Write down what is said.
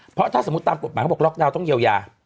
เพราะถ้าสมมุติตามกฎหมายเขาบอกล็อกดาวน์ต้องเยียวยา